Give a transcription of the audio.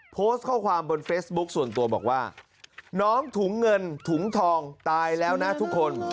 โพสต์ข้อความบนเฟซบุ๊คส่วนตัวบอกว่าน้องถุงเงินถุงทองตายแล้วนะทุกคน